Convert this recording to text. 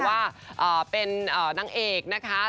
ว่าเป็นนางเอกนะคะ